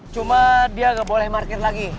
cuma dia gak boleh market lagi